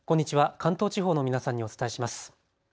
関東地方の皆さんにお伝えします。